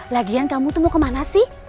lagian kamu tuh mau kemana sih